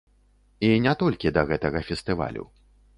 І не толькі да гэтага фестывалю.